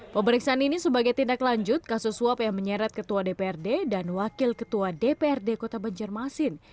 pemeriksaan ini sebagai tindak lanjut kasus suap yang menyeret ketua dprd dan wakil ketua dprd kota banjarmasin